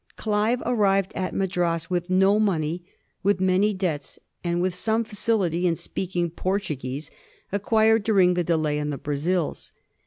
Olive arrived at Madras with no money, with many debts, and with some facility in speaking Portuguese, acquired during the delay in the Brazils.